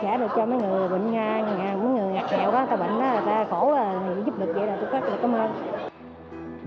cháu sẽ được cho mấy người bệnh mấy người nhạt nhẹo người ta bệnh người ta khổ người ta giúp được vậy là tôi rất là cảm ơn